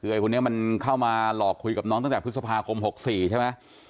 คือไอคนนี้มันเข้ามาหลอกคุยกับน้องตั้งแต่พฤษภาคม๖๔ใช่ไหม